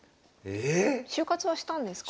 ええ⁉就活はしたんですか？